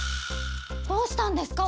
どうしたんですか？